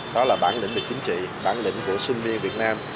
đó là bản lĩnh về chính trị bản lĩnh của sinh viên việt nam